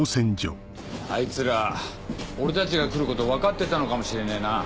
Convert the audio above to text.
あいつら俺たちが来ること分かってたのかもしれねえな。